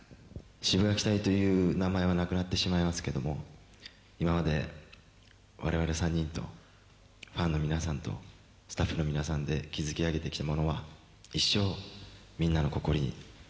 シブがき隊という名前はなくなってしまいますけども今まで我々３人とファンの皆さんとスタッフの皆さんで築き上げてきたものは一生みんなの心に残ると思います。